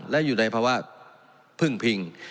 และอยู่ในภาวะพึ่งพิง